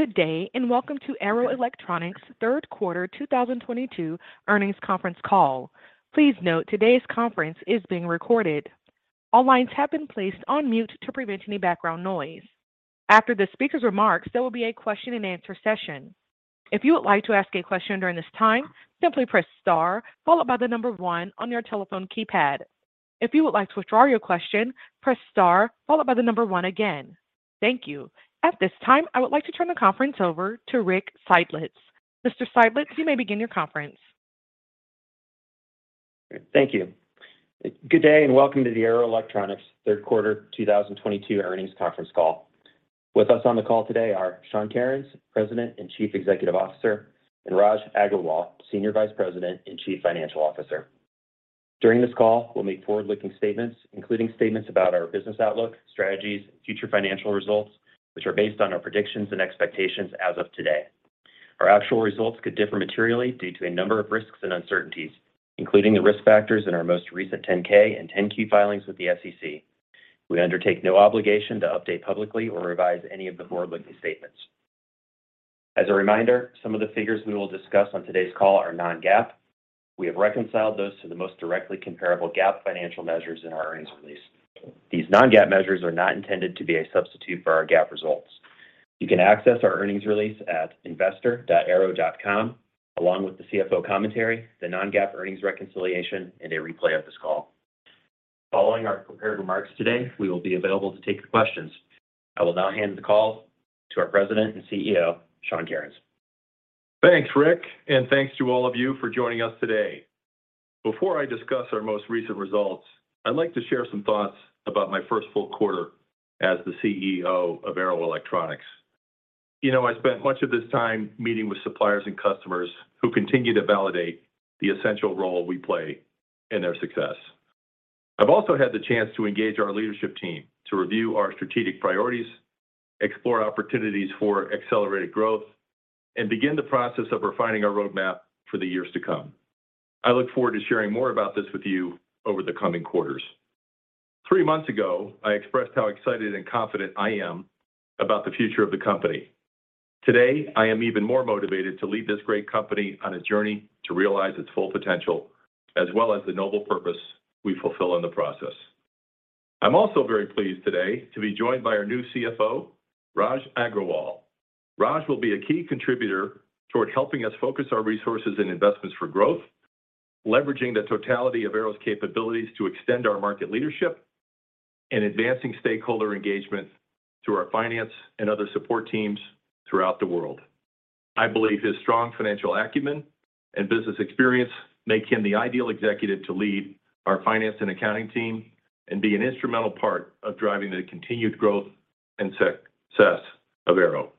Good day, and welcome to Arrow Electronics Q3 2022 Earnings Conference Call. Please note today's Conference is being recorded. All lines have been placed on mute to prevent any background noise. After the speaker's remarks, there will be a Q&A session. If you would like to ask a question during this time, simply press star followed by the number one on your telephone keypad. If you would like to withdraw your question, press star followed by the number one again. Thank you. At this time, I would like to turn the conference over to Rick Seidlitz. Mr. Seidlitz, you may begin your Conference. Thank you. Good day, and welcome to the Arrow Electronics Q3 2022 earnings conference call. With us on the call today are Sean Kerins, President and Chief Executive Officer, and Raj Agrawal, Senior Vice President and Chief Financial Officer. During this call, we'll make forward-looking statements, including statements about our business outlook, strategies, future financial results, which are based on our predictions and expectations as of today. Our actual results could differ materially due to a number of risks and uncertainties, including the risk factors in our most recent 10-K and 10-Q filings with the SEC. We undertake no obligation to update publicly or revise any of the forward-looking statements. As a reminder, some of the figures we will discuss on today's call are non-GAAP. We have reconciled those to the most directly comparable GAAP financial measures in our earnings release. These non-GAAP measures are not intended to be a substitute for our GAAP results. You can access our earnings release at investor.arrow.com, along with the CFO commentary, the non-GAAP earnings reconciliation, and a replay of this call. Following our prepared remarks today, we will be available to take questions. I will now hand the call to our President and CEO, Sean Kerins. Thanks, Rick, and thanks to all of you for joining us today. Before I discuss our most recent results, I'd like to share some thoughts about my first full quarter as the CEO of Arrow Electronics. You know, I spent much of this time meeting with suppliers and customers who continue to validate the essential role we play in their success. I've also had the chance to engage our leadership team to review our strategic priorities, explore opportunities for accelerated growth, and begin the process of refining our roadmap for the years to come. I look forward to sharing more about this with you over the coming quarters. Three months ago, I expressed how excited and confident I am about the future of the company. Today, I am even more motivated to lead this great company on a journey to realize its full potential, as well as the noble purpose we fulfill in the process. I'm also very pleased today to be joined by our new CFO, Raj Agrawal. Raj will be a key contributor toward helping us focus our resources and investments for growth, leveraging the totality of Arrow's capabilities to extend our market leadership, and advancing stakeholder engagement through our finance and other support teams throughout the world. I believe his strong financial acumen and business experience make him the ideal executive to lead our finance and accounting team and be an instrumental part of driving the continued growth and success of Arrow.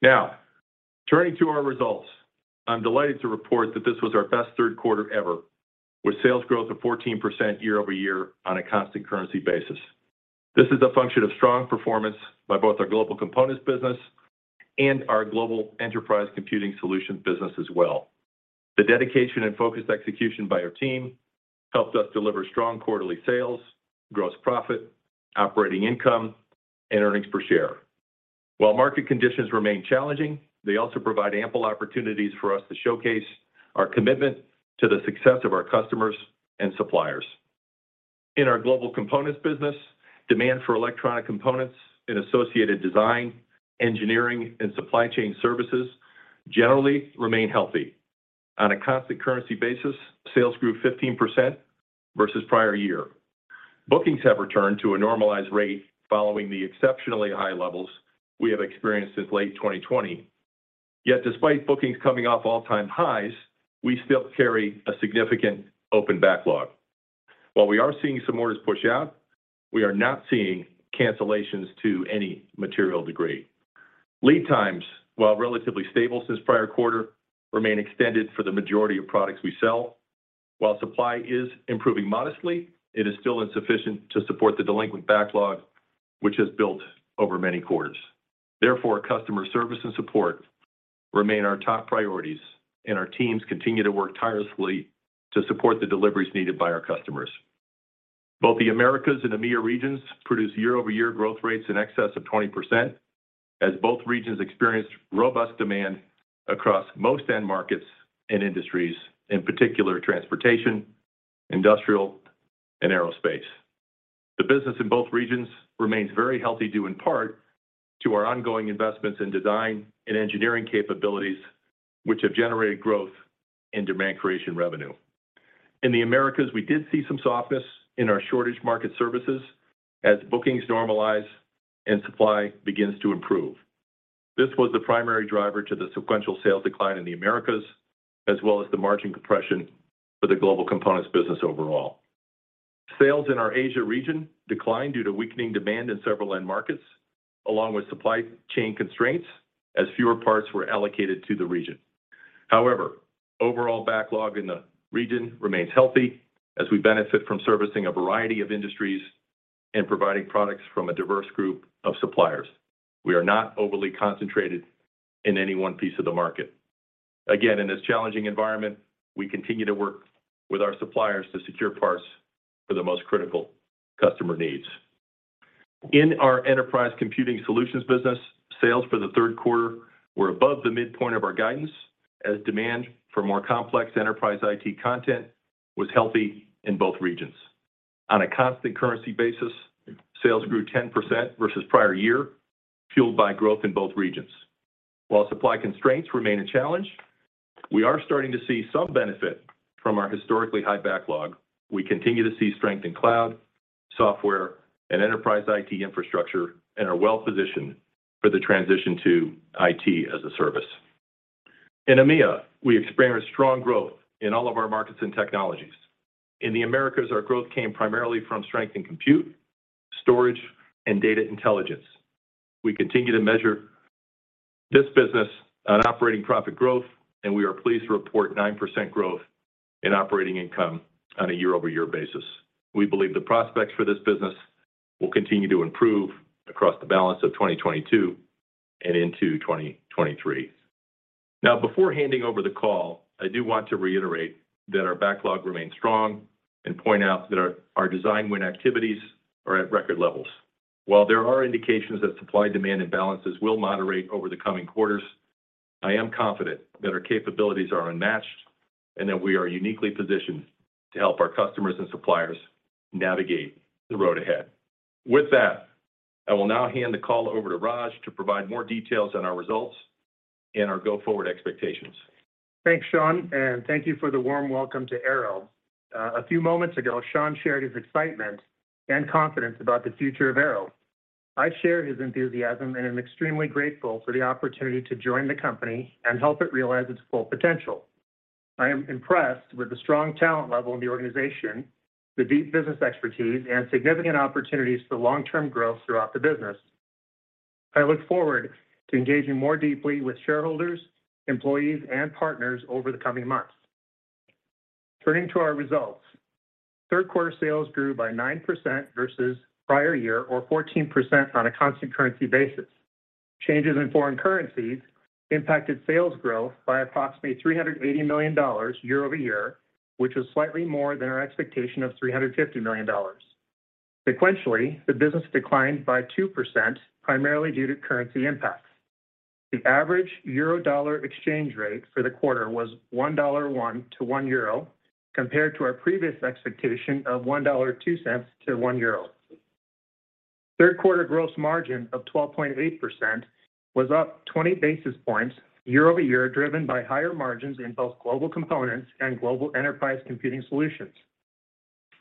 Now, turning to our results, I'm delighted to report that this was our best Q3 ever, with sales growth of 14% year-over-year on a constant currency basis. This is a function of strong performance by both our Global Components business and our Global Enterprise Computing Solutions business as well. The dedication and focused execution by our team helped us deliver strong quarterly sales, gross profit, operating income, and earnings per share. While market conditions remain challenging, they also provide ample opportunities for us to showcase our commitment to the success of our customers and suppliers. In our Global Components business, demand for electronic components and associated design, engineering, and supply chain services generally remain healthy. On a constant currency basis, sales grew 15% versus prior year. Bookings have returned to a normalized rate following the exceptionally high levels we have experienced since late 2020. Yet despite bookings coming off all-time highs, we still carry a significant open backlog. While we are seeing some orders push out, we are not seeing cancellations to any material degree. Lead times, while relatively stable since prior quarter, remain extended for the majority of products we sell. While supply is improving modestly, it is still insufficient to support the delinquent backlog, which has built over many quarters. Therefore, customer service and support remain our top priorities, and our teams continue to work tirelessly to support the deliveries needed by our customers. Both the Americas and EMEA regions produced year-over-year growth rates in excess of 20%, as both regions experienced robust demand across most end markets and industries, in particular transportation, industrial, and aerospace. The business in both regions remains very healthy, due in part to our ongoing investments in design and engineering capabilities, which have generated growth in demand creation revenue. In the Americas, we did see some softness in our shortage market services as bookings normalize and supply begins to improve. This was the primary driver to the sequential sales decline in the Americas, as well as the margin compression for the Global Components business overall. Sales in our Asia region declined due to weakening demand in several end markets, along with supply chain constraints as fewer parts were allocated to the region. However, overall backlog in the region remains healthy as we benefit from servicing a variety of industries and providing products from a diverse group of suppliers. We are not overly concentrated in any one piece of the market. Again, in this challenging environment, we continue to work with our suppliers to secure parts for the most critical customer needs. In our enterprise computing solutions business, sales for the third quarter were above the midpoint of our guidance as demand for more complex enterprise IT content was healthy in both regions. On a constant currency basis, sales grew 10% versus prior year, fueled by growth in both regions. While supply constraints remain a challenge, we are starting to see some benefit from our historically high backlog. We continue to see strength in cloud, software, and enterprise IT infrastructure, and are well-positioned for the transition to IT as a service. In EMEA, we experienced strong growth in all of our markets and technologies. In the Americas, our growth came primarily from strength in compute, storage, and data intelligence. We continue to measure this business on operating profit growth, and we are pleased to report 9% growth in operating income on a year-over-year basis. We believe the prospects for this business will continue to improve across the balance of 2022 and into 2023. Now, before handing over the call, I do want to reiterate that our backlog remains strong and point out that our design win activities are at record levels. While there are indications that supply-demand imbalances will moderate over the coming quarters, I am confident that our capabilities are unmatched and that we are uniquely positioned to help our customers and suppliers navigate the road ahead. With that, I will now hand the call over to Raj to provide more details on our results and our go-forward expectations. Thanks, Sean, and thank you for the warm welcome to Arrow. A few moments ago, Sean shared his excitement and confidence about the future of Arrow. I share his enthusiasm and am extremely grateful for the opportunity to join the company and help it realize its full potential. I am impressed with the strong talent level in the organization, the deep business expertise, and significant opportunities for long-term growth throughout the business. I look forward to engaging more deeply with shareholders, employees, and partners over the coming months. Turning to our results. Q3 sales grew by 9% versus prior year or 14% on a constant currency basis. Changes in foreign currencies impacted sales growth by approximately $380 million year-over-year, which was slightly more than our expectation of $350 million. Sequentially, the business declined by 2%, primarily due to currency impacts. The average euro-dollar exchange rate for the quarter was $1.01 to 1 euro, compared to our previous expectation of $1.02 to 1 euro. Third quarter gross margin of 12.8% was up 20 basis points year-over-year, driven by higher margins in both Global Components and Global Enterprise Computing Solutions.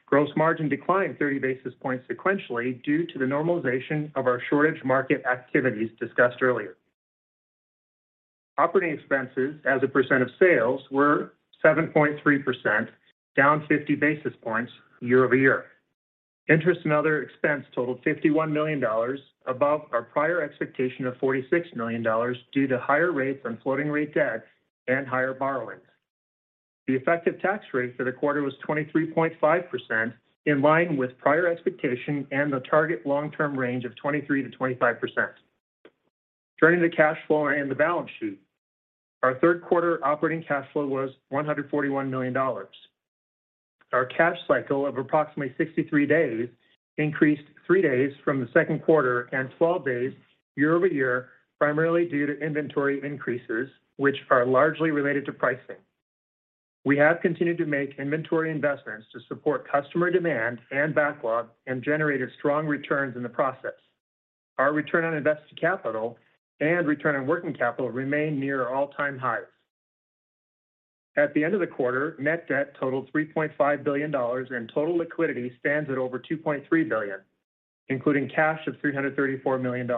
Gross margin declined 30 basis points sequentially due to the normalization of our shortage market activities discussed earlier. Operating expenses as a percent of sales were 7.3%, down 50 basis points year-over-year. Interest and other expense totaled $51 million, above our prior expectation of $46 million due to higher rates on floating rate debt and higher borrowings. The effective tax rate for the quarter was 23.5%, in line with prior expectation and the target long-term range of 23% to 25%. Turning to cash flow and the balance sheet. Our Q3 operating cash flow was $141 million. Our cash cycle of approximately 63 days increased three days from the Q2 and 12 days year-over-year, primarily due to inventory increases, which are largely related to pricing. We have continued to make inventory investments to support customer demand and backlog and generated strong returns in the process. Our return on invested capital and return on working capital remain near all-time highs. At the end of the quarter, net debt totaled $3.5 billion, and total liquidity stands at over $2.3 billion, including cash of $334 million.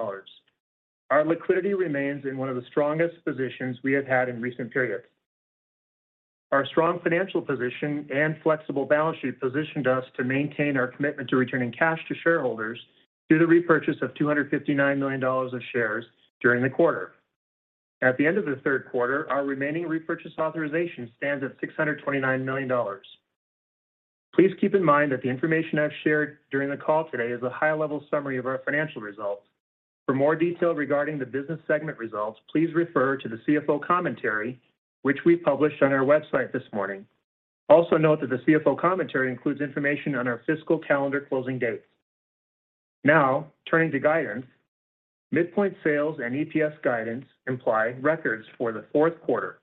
Our liquidity remains in one of the strongest positions we have had in recent periods. Our strong financial position and flexible balance sheet positioned us to maintain our commitment to returning cash to shareholders through the repurchase of $259 million of shares during the quarter. At the end of the Q3, our remaining repurchase authorization stands at $629 million. Please keep in mind that the information I've shared during the call today is a high-level summary of our financial results. For more detail regarding the business segment results, please refer to the CFO commentary, which we published on our website this morning. Also note that the CFO commentary includes information on our fiscal calendar closing dates. Now, turning to guidance, midpoint sales and EPS guidance imply records for the Q4.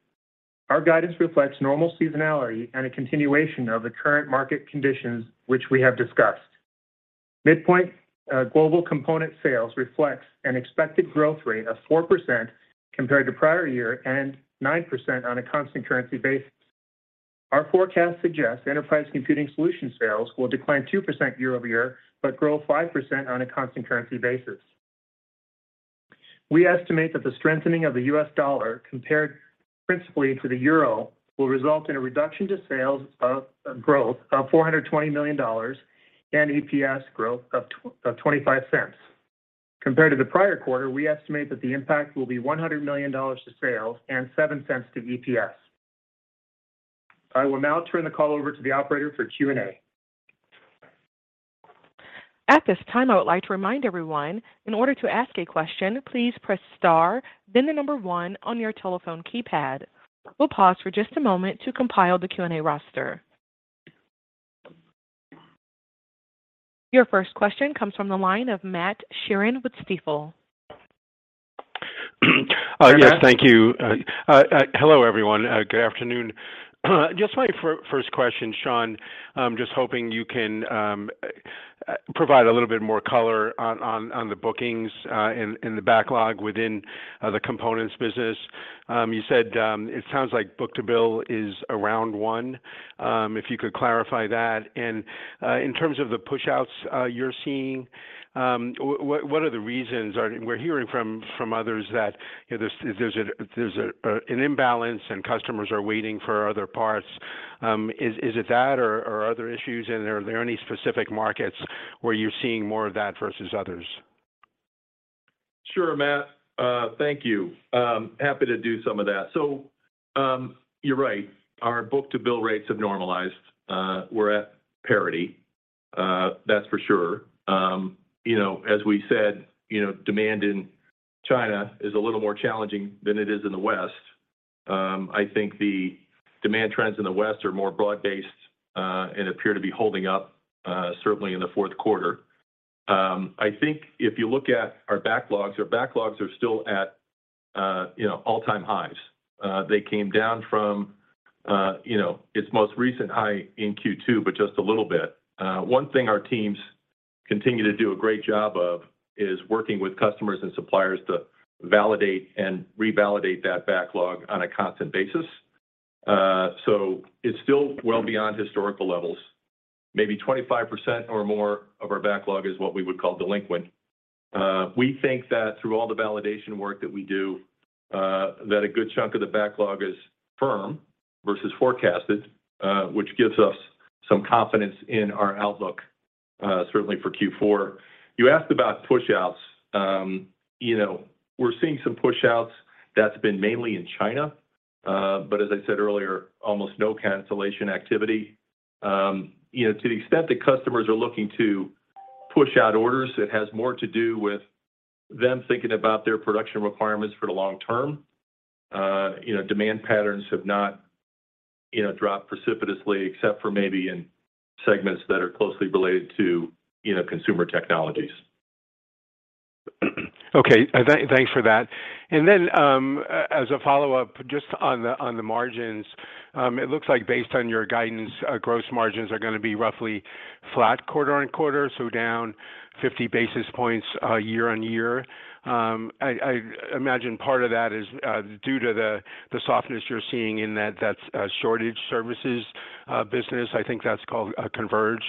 Our guidance reflects normal seasonality and a continuation of the current market conditions which we have discussed. Midpoint, Global Components sales reflects an expected growth rate of 4% compared to prior year and 9% on a constant currency basis. Our forecast suggests Enterprise Computing Solutions sales will decline 2% year-over-year, but grow 5% on a constant currency basis. We estimate that the strengthening of the U.S. dollar, compared principally to the euro, will result in a reduction to sales growth of $420 million and EPS growth of $0.25. Compared to the prior quarter, we estimate that the impact will be $100 million to sales and $0.07 to EPS. I will now turn the call over to the operator for Q&A. At this time, I would like to remind everyone, in order to ask a question, please press star then the number one on your telephone keypad. We'll pause for just a moment to compile the Q&A roster. Your first question comes from the line of Matthew Sheerin with Stifel. Yes. Thank you. Hello, everyone. Good afternoon. Just my first question, Sean. I'm just hoping you can provide a little bit more color on the bookings and the backlog within the components business. You said it sounds like book-to-bill is around one, if you could clarify that. In terms of the pushouts you're seeing, what are the reasons? We're hearing from others that, you know, there's an imbalance and customers are waiting for other parts. Is it that or other issues? Are there any specific markets where you're seeing more of that versus others? Sure, Matt. Thank you. Happy to do some of that. You're right. Our book-to-bill rates have normalized. We're at parity, that's for sure. You know, as we said, you know, demand in China is a little more challenging than it is in the West. I think the demand trends in the West are more broad-based, and appear to be holding up, certainly in the Q4. I think if you look at our backlogs, our backlogs are still at, you know, all-time highs. They came down from, you know, its most recent high in Q2, but just a little bit. One thing our teams continue to do a great job of is working with customers and suppliers to validate and revalidate that backlog on a constant basis. It's still well beyond historical levels. Maybe 25% or more of our backlog is what we would call delinquent. We think that through all the validation work that we do, that a good chunk of the backlog is firm versus forecasted, which gives us some confidence in our outlook, certainly for Q4. You asked about pushouts. You know, we're seeing some pushouts that's been mainly in China, but as I said earlier, almost no cancellation activity. You know, to the extent that customers are looking to push out orders, it has more to do with them thinking about their production requirements for the long term. You know, demand patterns have not, you know, dropped precipitously except for maybe in segments that are closely related to, you know, consumer technologies. Okay. Thanks for that. As a follow-up, just on the margins, it looks like based on your guidance, gross margins are gonna be roughly flat quarter-over-quarter, so down 50 basis points year-over-year. I imagine part of that is due to the softness you're seeing in that sourcing services business. I think that's called Converge.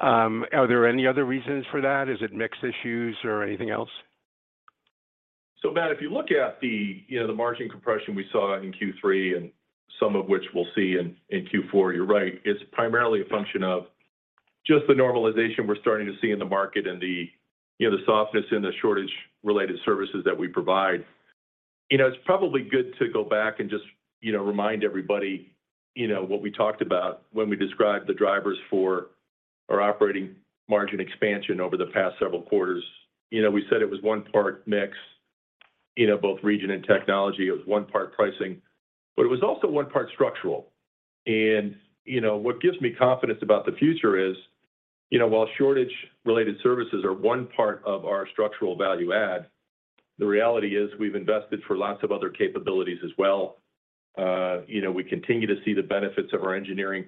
Are there any other reasons for that? Is it mix issues or anything else? Matt, if you look at the, you know, the margin compression we saw in Q3 and some of which we'll see in Q4, you're right. It's primarily a function of just the normalization we're starting to see in the market and the, you know, the softness in the shortage related services that we provide. You know, it's probably good to go back and just, you know, remind everybody, you know, what we talked about when we described the drivers for our operating margin expansion over the past several quarters. You know, we said it was one part mix, you know, both region and technology. It was one part pricing, but it was also one part structural. You know, what gives me confidence about the future is, you know, while shortage related services are one part of our structural value add, the reality is we've invested for lots of other capabilities as well. You know, we continue to see the benefits of our engineering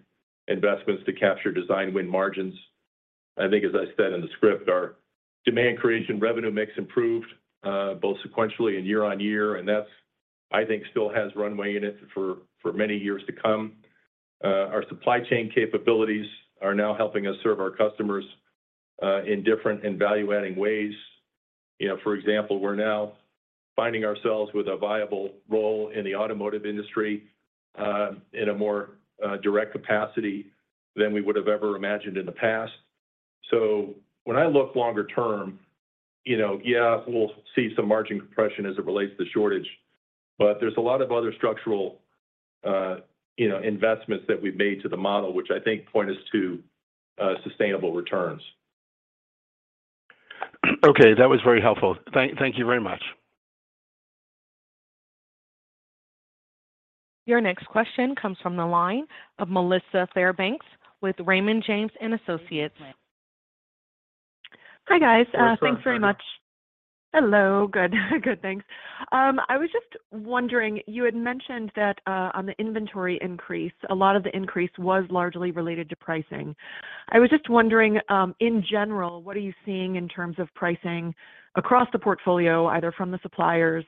investments to capture design win margins. I think as I said in the script, our demand creation revenue mix improved, both sequentially and year-over-year, and that's, I think still has runway in it for many years to come. Our supply chain capabilities are now helping us serve our customers in different and value adding ways. You know, for example, we're now finding ourselves with a viable role in the automotive industry in a more direct capacity than we would have ever imagined in the past. When I look longer term, you know, yeah, we'll see some margin compression as it relates to shortage, but there's a lot of other structural, you know, investments that we've made to the model, which I think point us to, sustainable returns. Okay, that was very helpful. Thank you very much. Your next question comes from the line of Melissa Dailey Fairbanks with Raymond James & Associates. Hi, guys. Hello, Melissa. Thanks very much. Hello. Good. Good, thanks. I was just wondering, you had mentioned that, on the inventory increase, a lot of the increase was largely related to pricing. I was just wondering, in general, what are you seeing in terms of pricing across the portfolio, either from the suppliers,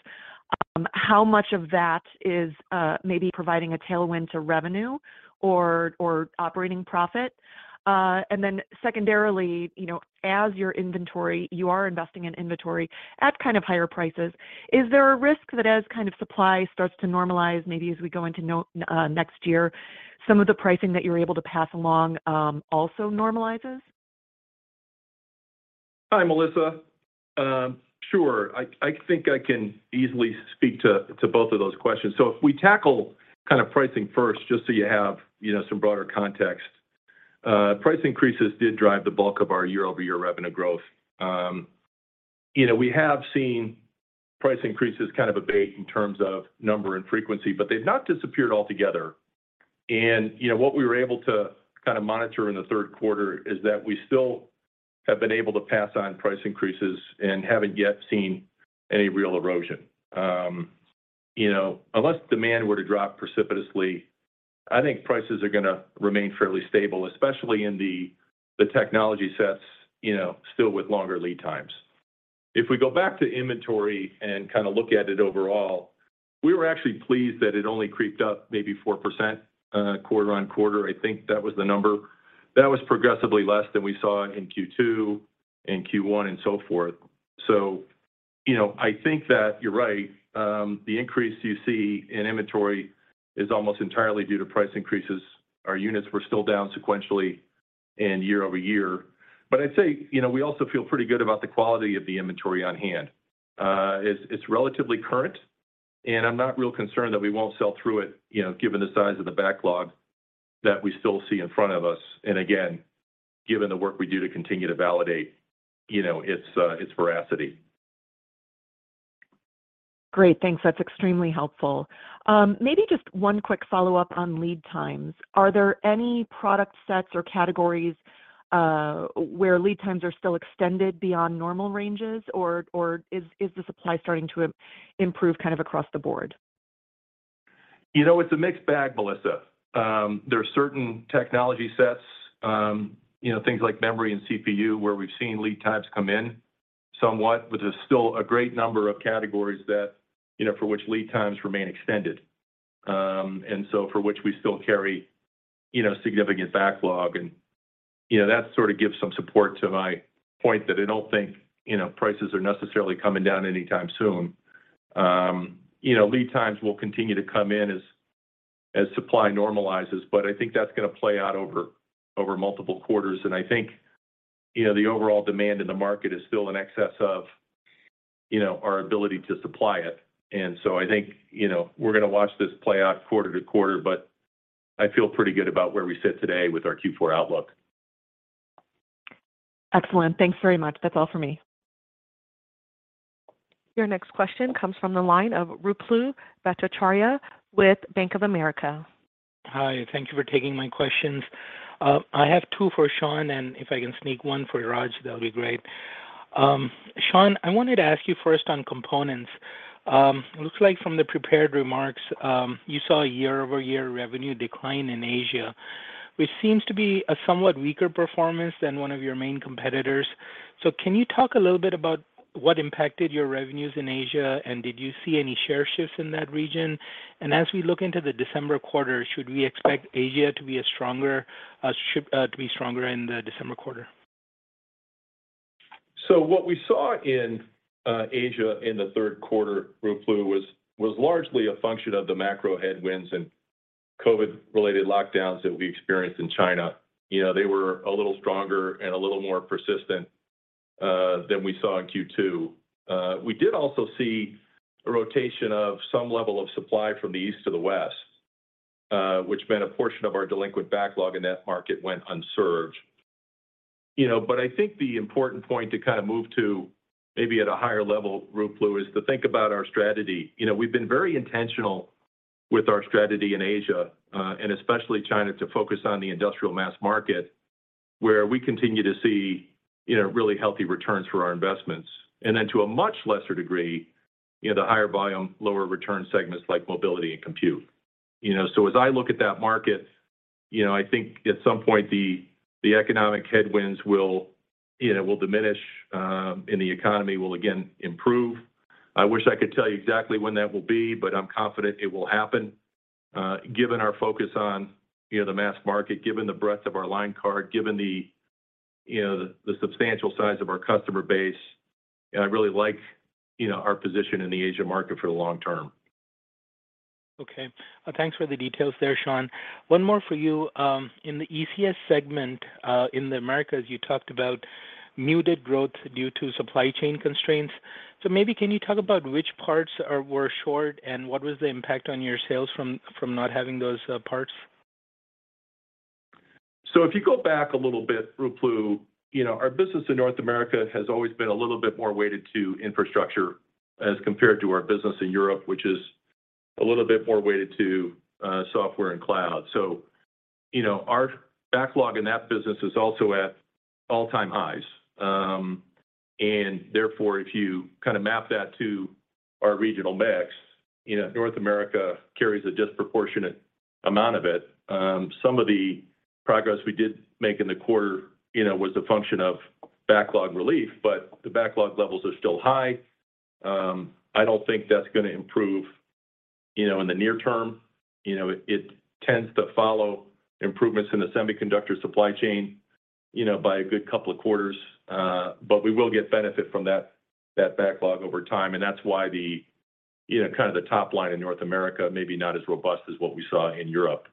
how much of that is, maybe providing a tailwind to revenue or operating profit? And then secondarily, you know, as your inventory, you are investing in inventory at kind of higher prices. Is there a risk that as kind of supply starts to normalize, maybe as we go into next year, some of the pricing that you're able to pass along, also normalizes? Hi, Melissa. Sure. I think I can easily speak to both of those questions. If we tackle kind of pricing first, just so you have, you know, some broader context. Price increases did drive the bulk of our year-over-year revenue growth. You know, we have seen price increases kind of abate in terms of number and frequency, but they've not disappeared altogether. You know, what we were able to kind of monitor in the Q3 is that we still have been able to pass on price increases and haven't yet seen any real erosion. You know, unless demand were to drop precipitously, I think prices are gonna remain fairly stable, especially in the technology sets, you know, still with longer lead times. If we go back to inventory and kind of look at it overall, we were actually pleased that it only crept up maybe 4%, quarter-over-quarter. I think that was the number. That was progressively less than we saw in Q2, in Q1 and so forth. You know, I think that you're right. The increase you see in inventory is almost entirely due to price increases. Our units were still down sequentially and year-over-year. I'd say, you know, we also feel pretty good about the quality of the inventory on hand. It's relatively current, and I'm not real concerned that we won't sell through it, you know, given the size of the backlog that we still see in front of us, and again, given the work we do to continue to validate, you know, its veracity. Great. Thanks. That's extremely helpful. Maybe just one quick follow-up on lead times. Are there any product sets or categories where lead times are still extended beyond normal ranges or is the supply starting to improve kind of across the board? You know, it's a mixed bag, Melissa. There are certain technology sets, you know, things like memory and CPU, where we've seen lead times come in somewhat, but there's still a great number of categories that, you know, for which lead times remain extended. For which we still carry, you know, significant backlog and, you know, that sort of gives some support to my point that I don't think, you know, prices are necessarily coming down anytime soon. You know, lead times will continue to come in as supply normalizes, but I think that's gonna play out over multiple quarters, and I think, you know, the overall demand in the market is still in excess of, you know, our ability to supply it. I think, you know, we're gonna watch this play out quarter to quarter, but I feel pretty good about where we sit today with our Q4 outlook. Excellent. Thanks very much. That's all for me. Your next question comes from the line of Ruplu Bhattacharya with Bank of America. Hi. Thank you for taking my questions. I have two for Sean, and if I can sneak one for Raj, that'll be great. Sean, I wanted to ask you first on components. It looks like from the prepared remarks, you saw a year-over-year revenue decline in Asia, which seems to be a somewhat weaker performance than one of your main competitors. Can you talk a little bit about what impacted your revenues in Asia, and did you see any share shifts in that region? As we look into the December quarter, should we expect Asia to be stronger in the December quarter? What we saw in Asia in the Q3, Ruplu, was largely a function of the macro headwinds and COVID-related lockdowns that we experienced in China. You know, they were a little stronger and a little more persistent than we saw in Q2. We did also see a rotation of some level of supply from the East to the West, which meant a portion of our delinquent backlog in that market went unserved. You know, but I think the important point to kind of move to maybe at a higher level, Ruplu, is to think about our strategy. You know, we've been very intentional with our strategy in Asia and especially China, to focus on the industrial mass market, where we continue to see, you know, really healthy returns for our investments. To a much lesser degree, you know, the higher volume, lower return segments like mobility and compute. You know, so as I look at that market, you know, I think at some point the economic headwinds will, you know, diminish, and the economy will again improve. I wish I could tell you exactly when that will be, but I'm confident it will happen. Given our focus on, you know, the mass market, given the breadth of our line card, given the, you know, the substantial size of our customer base, I really like, you know, our position in the Asia market for the long term. Okay. Thanks for the details there, Sean. One more for you. In the ECS segment, in the Americas, you talked about muted growth due to supply chain constraints. Maybe can you talk about which parts were short and what was the impact on your sales from not having those parts? If you go back a little bit, Ruplu, you know, our business in North America has always been a little bit more weighted to infrastructure as compared to our business in Europe, which is a little bit more weighted to software and cloud. You know, our backlog in that business is also at all-time highs. And therefore, if you kind of map that to our regional mix, you know, North America carries a disproportionate amount of it. Some of the progress we did make in the quarter, you know, was a function of backlog relief, but the backlog levels are still high. I don't think that's gonna improve, you know, in the near term. You know, it tends to follow improvements in the semiconductor supply chain, you know, by a good couple of quarters. We will get benefit from that backlog over time, and that's why the, you know, kind of the top line in North America may be not as robust as what we saw in Europe.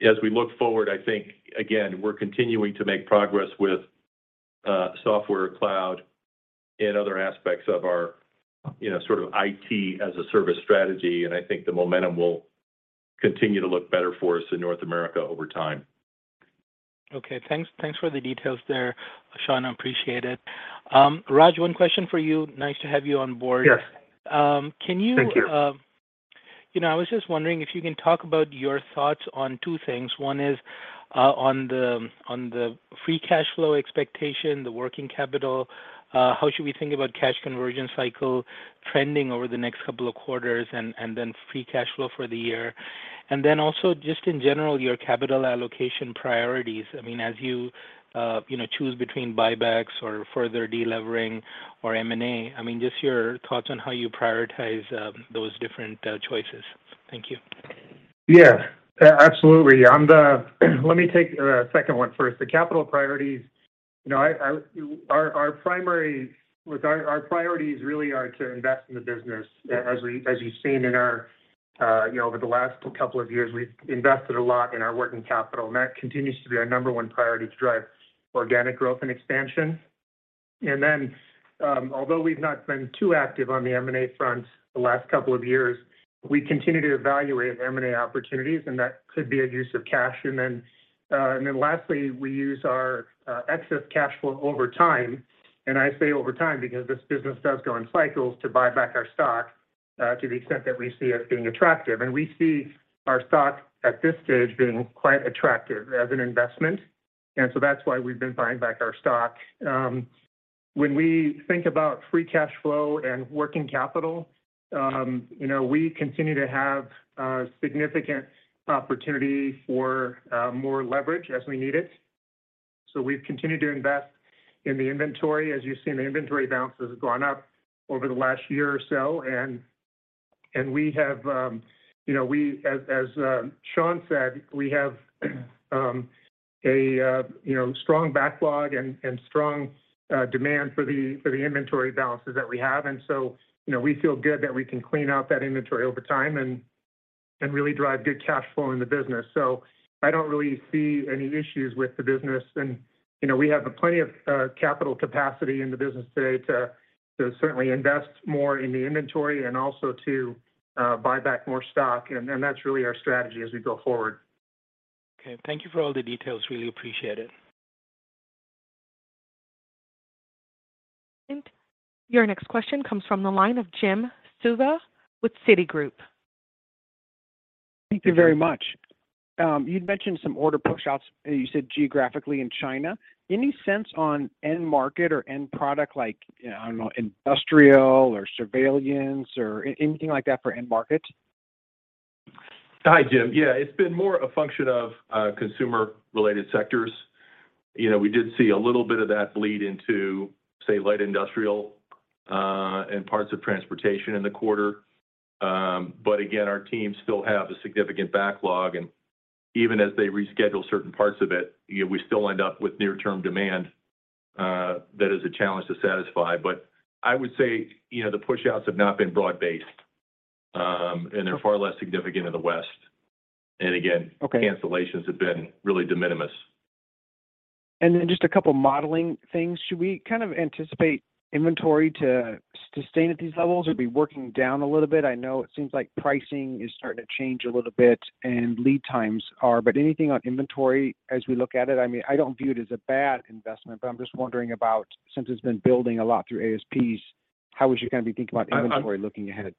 As we look forward, I think, again, we're continuing to make progress with software cloud and other aspects of our, you know, sort of IT as a service strategy. I think the momentum will continue to look better for us in North America over time. Okay. Thanks for the details there, Sean, I appreciate it. Raj, one question for you. Nice to have you on board. Yes. Can you Thank you. You know, I was just wondering if you can talk about your thoughts on two things. One is on the free cash flow expectation, the working capital, how should we think about Cash Conversion Cycle trending over the next couple of quarters, and then free cash flow for the year? Then also just in general, your capital allocation priorities. I mean, as you know, choose between buybacks or further delevering or M&A, I mean, just your thoughts on how you prioritize those different choices. Thank you. Absolutely. Let me take the second one first. The capital priorities, you know, our priorities really are to invest in the business. As you've seen over the last couple of years, we've invested a lot in our working capital, and that continues to be our number one priority to drive organic growth and expansion. Then, although we've not been too active on the M&A front the last couple of years, we continue to evaluate M&A opportunities, and that could be a use of cash. Then lastly, we use our excess cash flow over time, and I say over time because this business does go in cycles, to buy back our stock to the extent that we see as being attractive. We see our stock at this stage being quite attractive as an investment. That's why we've been buying back our stock. When we think about free cash flow and working capital, you know, we continue to have significant opportunity for more leverage as we need it. We've continued to invest in the inventory. As you've seen, the inventory balances have gone up over the last year or so, and we have, you know, As Sean said, we have a strong backlog and strong demand for the inventory balances that we have. You know, we feel good that we can clean out that inventory over time and really drive good cash flow in the business. I don't really see any issues with the business. You know, we have plenty of capital capacity in the business today to certainly invest more in the inventory and also to buy back more stock. That's really our strategy as we go forward. Okay. Thank you for all the details. Really appreciate it. Your next question comes from the line of Jim Suva with Citigroup. Thank you very much. You'd mentioned some order pushouts, you said geographically in China. Any sense on end market or end product like, you know, I don't know, industrial or surveillance or anything like that for end market? Hi, Jim. Yeah. It's been more a function of consumer-related sectors. You know, we did see a little bit of that bleed into, say, light industrial and parts of transportation in the quarter. But again, our teams still have a significant backlog, and even as they reschedule certain parts of it, you know, we still end up with near-term demand that is a challenge to satisfy. But I would say, you know, the pushouts have not been broad-based, and they're far less significant in the West. Okay. Cancellations have been really de-minimis. Then just a couple modeling things. Should we kind of anticipate inventory to sustain at these levels or be working down a little bit? I know it seems like pricing is starting to change a little bit and lead times are. Anything on inventory as we look at it? I mean, I don't view it as a bad investment, but I'm just wondering about since it's been building a lot through ASPs, how are you gonna be thinking about inventory looking ahead?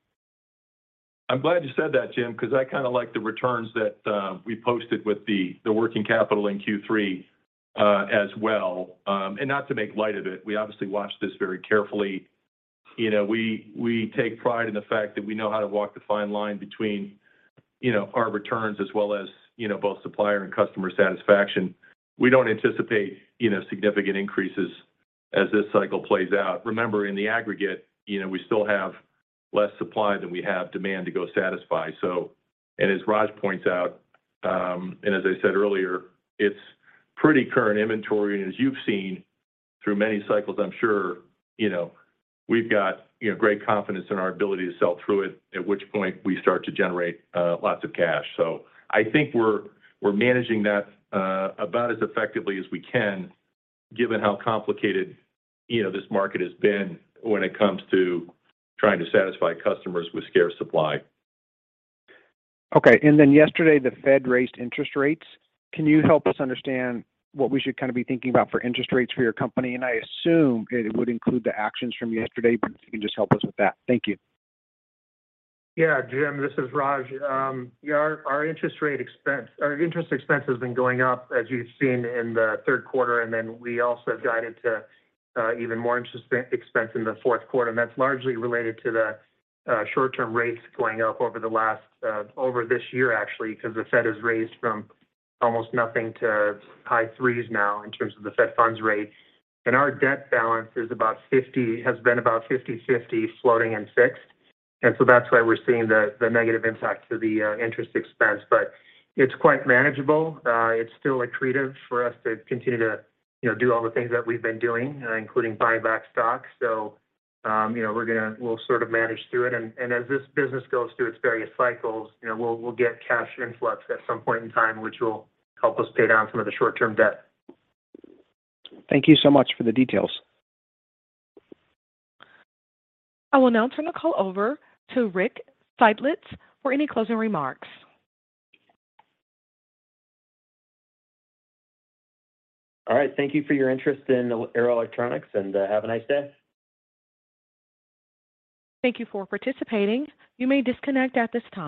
I'm glad you said that, Jim, 'cause I kinda like the returns that we posted with the working capital in Q3 as well. Not to make light of it, we obviously watch this very carefully. You know, we take pride in the fact that we know how to walk the fine line between, you know, our returns as well as, you know, both supplier and customer satisfaction. We don't anticipate, you know, significant increases as this cycle plays out. Remember, in the aggregate, you know, we still have less supply than we have demand to go satisfy. As Raj points out, and as I said earlier, it's pretty current inventory. As you've seen through many cycles, I'm sure, you know, we've got, you know, great confidence in our ability to sell through it, at which point we start to generate lots of cash. I think we're managing that about as effectively as we can, given how complicated, you know, this market has been when it comes to trying to satisfy customers with scarce supply. Okay. Yesterday, the Fed raised interest rates. Can you help us understand what we should kinda be thinking about for interest rates for your company? I assume it would include the actions from yesterday, but if you can just help us with that. Thank you. Yeah. Jim, this is Raj. Our interest expense has been going up as you've seen in the Q3, and then we also guided to even more interest expense in the Q4, and that's largely related to the short-term rates going up over the last over this year actually, 'cause the Fed has raised from almost nothing to high threes now in terms of the federal funds rate. Our debt balance has been about 50/50 floating and fixed. That's why we're seeing the negative impact to the interest expense. It's quite manageable. It's still accretive for us to continue to, you know, do all the things that we've been doing, including buy back stock. You know, we'll sort of manage through it. as this business goes through its various cycles, you know, we'll get cash influx at some point in time, which will help us pay down some of the short-term debt. Thank you so much for the details. I will now turn the call over to Rick Seidlitz for any closing remarks. All right. Thank you for your interest in Arrow Electronics, and have a nice day. Thank you for participating. You may disconnect at this time.